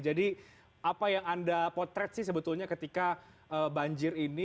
jadi apa yang anda potret sih sebetulnya ketika banjir ini